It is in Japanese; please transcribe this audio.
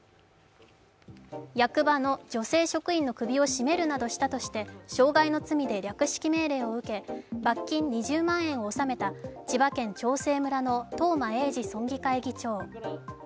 役場で女性職員の首を絞めるなどして傷害の罪で略式命令を受け、罰金２０万円を納めた千葉県長生村の東間永次村議会議長。